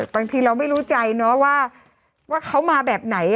บางทีเราไม่รู้ใจเนอะว่าเขามาแบบไหน